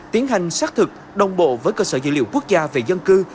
tiến hành xác thực đồng bộ với cơ sở dữ liệu quốc gia về dân cư